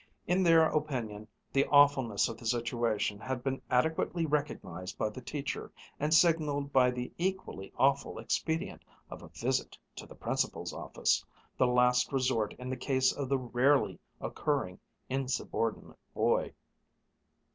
In their opinion the awfulness of the situation had been adequately recognized by the teacher and signaled by the equally awful expedient of a visit to the Principal's office, the last resort in the case of the rarely occurring insubordinate boy.